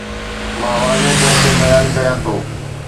مان واضح طور تي بيان ڪريان ٿو